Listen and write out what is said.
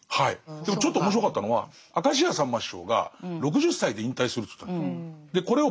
でもちょっと面白かったのは明石家さんま師匠が６０歳で引退すると言ったんです。